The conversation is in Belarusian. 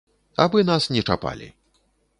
Абы нас не чапалі.